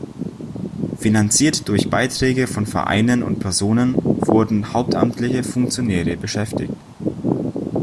Finanziert durch Beiträge von Vereinen und Personen wurden hauptamtliche Funktionäre beschäftigt.